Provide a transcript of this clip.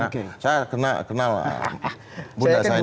karena saya kenal bunda saya ini